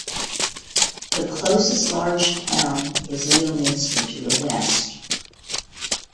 The closest large town is Leominster to the west.